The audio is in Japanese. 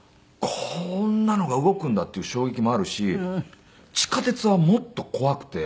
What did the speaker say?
こんなのが動くんだっていう衝撃もあるし地下鉄はもっと怖くて。